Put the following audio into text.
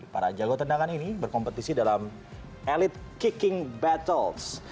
para jago tendangan ini berkompetisi dalam elite kiking battles